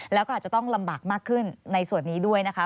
แล้วก็อาจจะต้องลำบากมากขึ้นในส่วนนี้ด้วยนะคะ